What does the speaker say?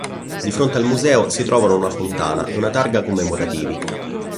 Di fronte al museo si trovano una fontana e una targa commemorativi.